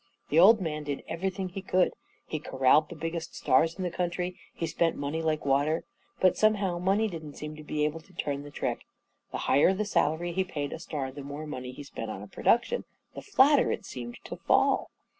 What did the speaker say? The old man did everything he could. He cor railed the biggest stars in the country ; he spent money like water. But somehow money didn't seem to be able to turn the trick. The higher the salary he paid a star, the more money he spent on a produc tion, the flatter it seemed to fall.